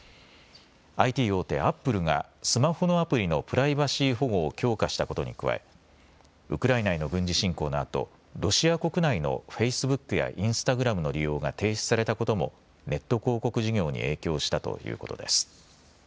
ＩＴ大手、アップルがスマホのアプリのプライバシー保護を強化したことに加えウクライナへの軍事侵攻のあとロシア国内のフェイスブックやインスタグラムの利用が停止されたこともネット広告事業に影響したということです。